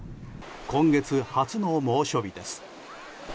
今月初の猛暑日です。